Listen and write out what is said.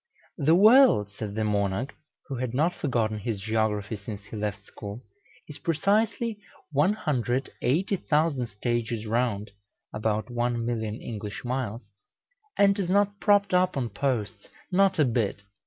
"The world," said the monarch, who had not forgotten his geography since he left school, "is precisely 180,000 stages round (about 1,000,000 English miles), and it is not propped up on posts not a bit!